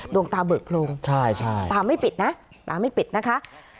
ดวงตาเบิกลงตาไม่ปิดนะคะ